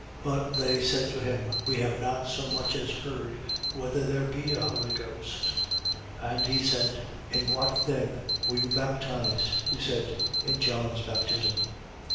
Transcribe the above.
But they said to him: We have not so much as heard whether there be a Holy Ghost. 19:3. And he said: In what then were you baptized? Who said: In John's baptism. 19:4.